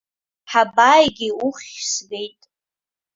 Ҳабааигеи, уххьзгеит.